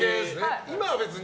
今は別に？